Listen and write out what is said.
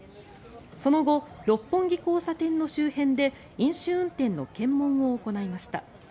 その後、六本木交差点の周辺で飲酒運転の検問を行いました。